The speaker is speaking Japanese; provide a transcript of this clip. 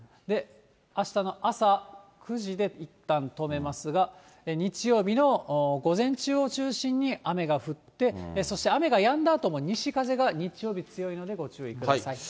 あしたの朝９時でいったん止めますが、日曜日の午前中を中心に雨が降って、そして雨がやんだあとも西風が日曜日強いので、ご注意ください。